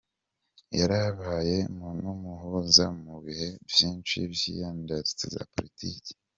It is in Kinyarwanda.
Yarabaye n’umuhuza mu bihe vyinshi vy’indyane za politike.